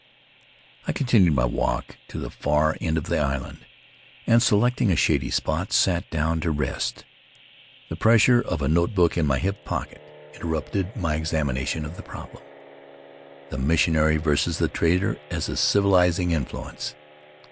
I continued my walk to the far end of the island and, selecting a shady spot, sat down to rest. The pressure of a notebook in my hip pocket interrupted my examina tion of the problem, "The missionary versus the trader as a civilizing influence."